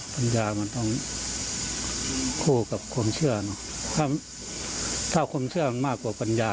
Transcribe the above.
ปัญญามันต้องคู่กับความเชื่อเนอะถ้าความเชื่อมันมากกว่าปัญญา